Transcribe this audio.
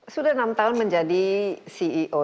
sudah enam tahun menjadi ceo